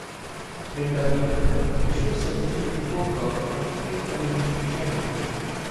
Later, he appeared in the show Celebrity Poker on Tien television channel.